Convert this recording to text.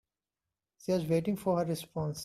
She was waiting for her response.